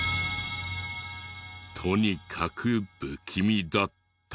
とにかく不気味だった。